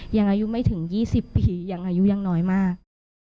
ยังอายุไม่ถึง๒๐ปียังอายุยังน้อยมาก